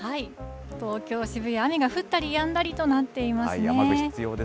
東京・渋谷、雨が降ったりやんだりとなっていますね。